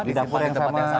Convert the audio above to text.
di dapur yang sama